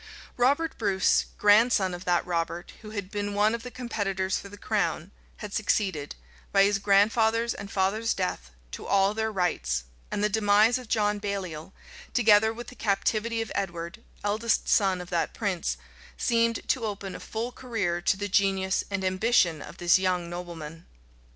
{1306.} Robert Bruce, grandson of that Robert who had been one of the competitors for the crown, had succeeded, by his grandfather's and father's death, to all their rights; and the demise of John Baliol, together with the captivity of Edward, eldest son of that prince, seemed to open a full career to the genius and ambition of this young nobleman.